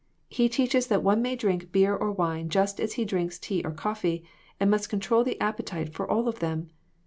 He teaches that one may drink beer or wine just as he drinks tea or coffee, and must control the appe tite for all of them.